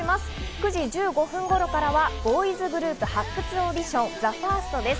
９時１５分頃からはボーイズグループ発掘オーディション、ＴＨＥＦＩＲＳＴです。